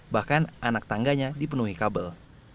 bahkan anak tangganya dipenuhi kabel